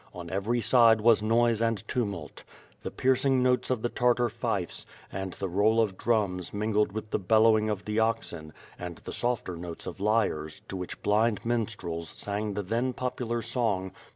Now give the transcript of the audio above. On every side was noise and tumult. The piercing notes of the Tartar fifes, and the roll of drums mingled with the bellowing of the oxen, and the softer notes of lyres, to which blind minstrels sang the then popular song.